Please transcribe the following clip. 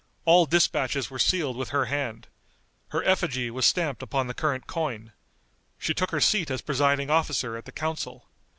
All dispatches were sealed with her hand. Her effigy was stamped upon the current coin. She took her seat as presiding officer at the council.